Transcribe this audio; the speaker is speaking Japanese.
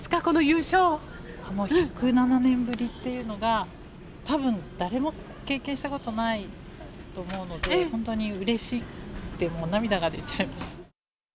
もう１０７年ぶりっていうのがたぶん、誰も経験したことないと思うので、本当にうれしくて、もう涙が出ちゃいました。